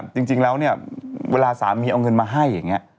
จริงแล้วเนี่ยเวลาสามีเอาเงินมาให้อย่างนี้